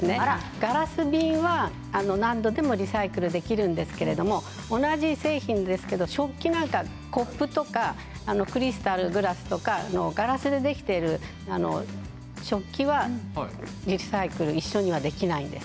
ガラス瓶は何度でもリサイクルできるんですけれども同じ製品ですけれども食器なんかはコップとかクリスタルグラスガラスでできている食器は一緒にリサイクルはできないんです。